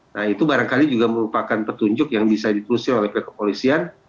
nah itu barangkali juga merupakan petunjuk yang bisa diteruskan oleh pihak kepolisian